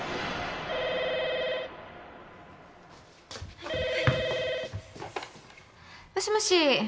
☎はいはいもしもし